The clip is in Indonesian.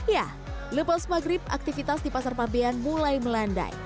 ya lepas maghrib aktivitas di pasar fabian mulai melandai